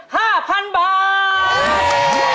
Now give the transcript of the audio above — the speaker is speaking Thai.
ขอบคุณค่ะสบายค่ะ